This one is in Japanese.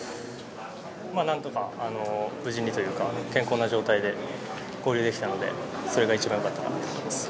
何とか無事にというか健康な状態で合流できたのでそれが一番良かったと思います。